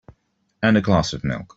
And a glass of milk.